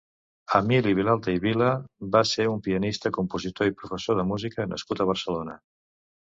Emili Vilalta i Vila va ser un pianista, compositor i professor de música nascut a Barcelona.